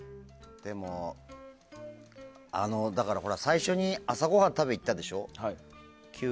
でも、最初に朝ごはん食べに行ったでしょ。